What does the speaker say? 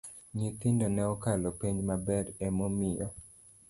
Nyithindo ne okalo penj maber emomiyo